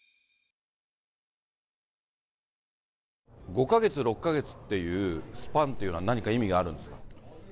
５か月、６か月っていうスパンっていうのは、何か意味があるんですか？